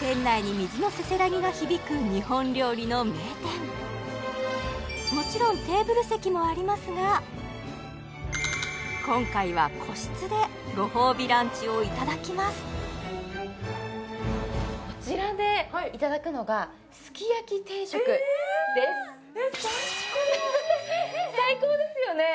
店内に水のせせらぎが響く日本料理の名店もちろんテーブル席もありますが今回は個室でご褒美ランチをいただきますえわ最高ですよね